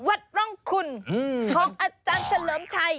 วัดร่องคุณของอาจารย์เฉลิมชัย